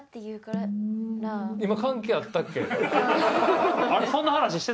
今関係あったっけ？